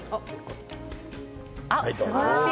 すばらしい。